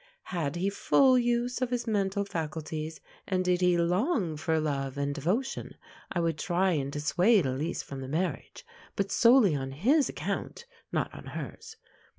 Had he full use of his mental faculties, and did he long for love and devotion, I would try and dissuade Elise from the marriage, but solely on his account, not on hers.